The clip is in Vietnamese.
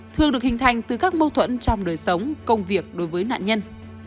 thường được hình thành từ các mâu thuẫn trong đời sống công việc đối với nạn nhân